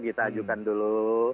kita ajukan dulu